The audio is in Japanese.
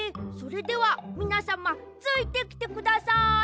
それではみなさまついてきてください！